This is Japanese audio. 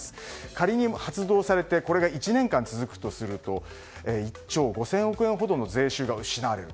仮に発動されてこれが１年間続くとするとおよそ１兆５０００億円ほどの税収が失われる。